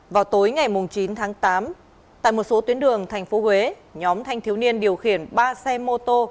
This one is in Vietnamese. vào tối ngày chín tháng tám tại một số tuyến đường tp huế nhóm thanh thiếu niên điều khiển ba xe mô tô